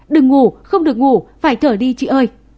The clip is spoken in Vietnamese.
đừng ngủ không được ngủ phải thở đi chị ơi